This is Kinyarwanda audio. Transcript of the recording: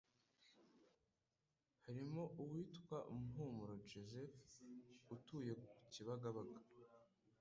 harimo uwitwa Mpumuro Joseph, utuye Kibagabaga,